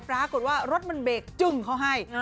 ปรากฏว่ารถมันเบรกจึ้งเขาให้